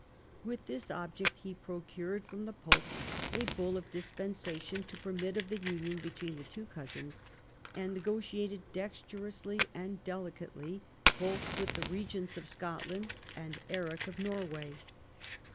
With this object he procured from the pope a bull of dispensation to permit of the union between the cousins, and nego tiated dexterously and delicately, both with the regents of Scotland and Eric of Norway.